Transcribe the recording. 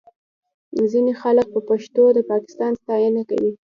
ځینې خلک په پښتو د پاکستان ستاینه کوي